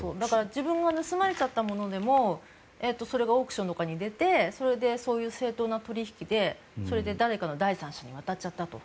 自分が盗まれちゃったものでもそれがオークションとかに出てそれでそういう正当な取引で誰か第三者に渡っちゃったと。